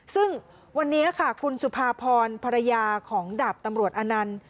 ซึ่งวันนี้ค่ะคุณสุภาพรภรรยาของดาบตำรวจอนันต์